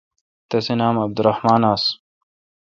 تسے°نام عبدالرحمان آس